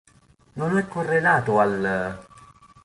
Non è correlato all'.